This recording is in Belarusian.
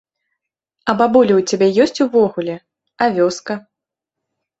А бабулі ў цябе ёсць увогуле, а вёска?